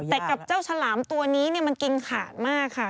แต่กับเจ้าฉลามตัวนี้มันกินขาดมากค่ะ